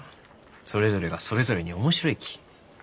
それぞれがそれぞれに面白いき。